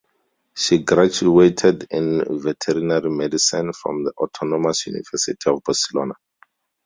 She graduated in veterinary medicine from the Autonomous University of Barcelona.